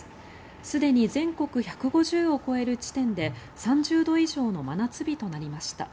すでに全国１５０を超える地点で３０度以上の真夏日となりました。